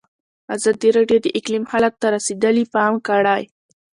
ازادي راډیو د اقلیم حالت ته رسېدلي پام کړی.